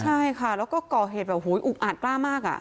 ใช่ค่ะแล้วก็ก่อเหตุแบบโหอุกอาจกล้ามาก